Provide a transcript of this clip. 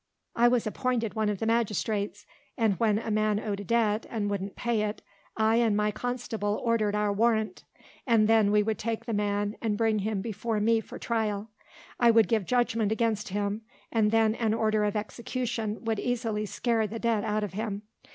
I was appointed one of the magistrates; and when a man owed a debt, and wouldn't pay it, I and my constable ordered our warrant, and then he would take the man, and bring him before me for trial. I would give judgment against him, and then an order of an execution would easily scare the debt out of him.